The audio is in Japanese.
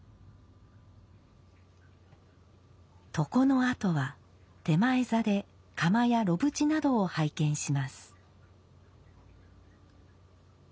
床のあとは点前座で釜や炉縁などを拝見します。